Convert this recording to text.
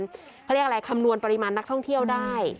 เขาเรียกอะไรคำนวณปริมาณนักท่องเที่ยวได้